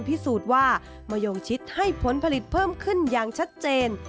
พิสูจน์ว่ามะยงชิดให้ผลผลิตเพิ่มขึ้นอย่างชัดเจน